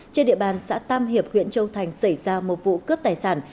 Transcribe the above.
trên địa bàn xã tam hiệp huyện châu thành xảy ra một vụ cướp tài sản